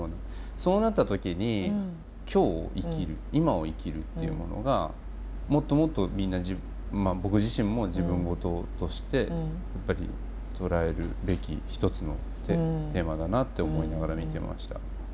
そうなった時に今日生きる今を生きるっていうものがもっともっとみんな僕自身も自分事としてやっぱり捉えるべき一つのテーマだなって思いながら見てました。